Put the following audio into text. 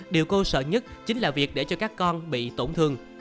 điều cô sợ nhất chính là việc để cho các con bị tổn thương